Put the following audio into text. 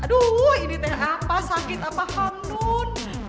aduh ini teh apa sakit apa hamdun